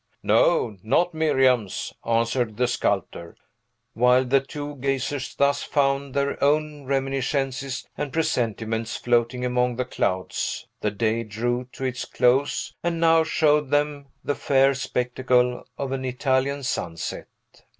"No, not Miriam's," answered the sculptor. While the two gazers thus found their own reminiscences and presentiments floating among the clouds, the day drew to its close, and now showed them the fair spectacle of an Italian sunset.